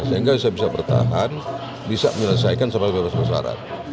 saya tidak bisa bertahan bisa menyelesaikan sebab berbesar besaran